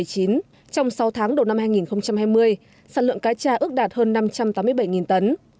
trong sáu tháng đầu năm hai nghìn hai mươi sản lượng cá cha ước đạt hơn năm trăm tám mươi bảy tấn